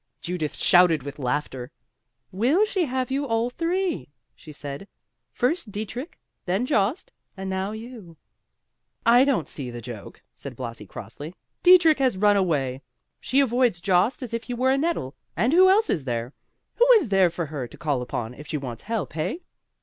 Judith shouted with laughter. "Will she have you all three?" she said; "first Dietrich, then Jost, and now you." "I don't see the joke," said Blasi crossly. "Dietrich has run away; she avoids Jost as if he were a nettle, and who else is there? Who is there for her to call upon if she wants help, hey?"